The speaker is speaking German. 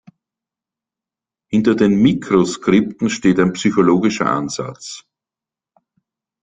Hinter den Micro-Skripten steht ein psychologischer Ansatz.